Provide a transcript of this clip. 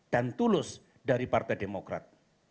dan tulus dari partai demokrat